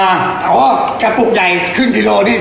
ราคาโอ้วกระปุกใหญ่ครึ่งกิโลนี่๒๐๐